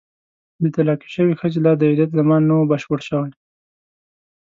د طلاقې شوې ښځې لا د عدت زمان نه وو بشپړ شوی.